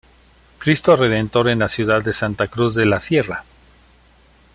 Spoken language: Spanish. Cristo Redentor, en la ciudad de Santa Cruz de la Sierra.